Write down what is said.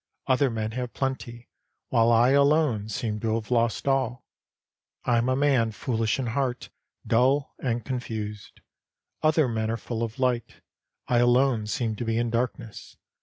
Other men have plenty, while I alone seem to have lost all. I am a man foolish in heart, dull and confused. Other men are full of light ; I alone seem to be in darkness.